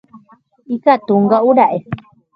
Ikatunga'ura'e